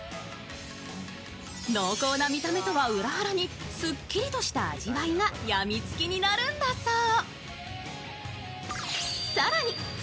濃厚な見た目とは裏腹にすっきりとした味わいがやみつきになるんだそう。